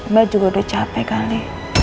mbak juga udah capek kali